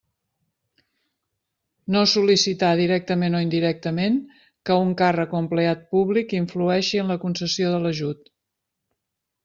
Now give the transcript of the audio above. No sol·licitar, directament o indirectament, que un càrrec o empleat públic influeixi en la concessió de l'ajut.